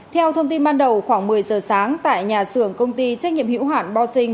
theo thông tin ban đầu khoảng một mươi giờ sáng tại nhà xưởng công ty trách nhiệm hữu hoạn bosin